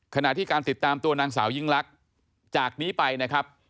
ขณะที่การติดตามตัวนางสาวยิ่งลักษณ์จากนี้ไปนะครับ